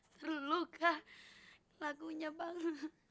terluka lagunya bang